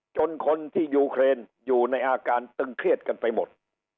คนที่ยูเครนอยู่ในอาการตึงเครียดกันไปหมด